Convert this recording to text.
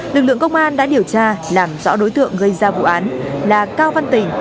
lực lượng công an đã điều tra làm rõ đối tượng gây ra vụ án là cao văn tình